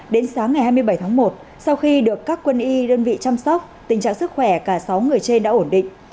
đến sáng ngày hai mươi bảy tháng một sau khi được các quân y đơn vị chăm sóc tình trạng sức khỏe cả sáu người trên đã ổn định